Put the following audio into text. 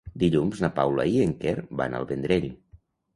Dilluns na Paula i en Quer van al Vendrell.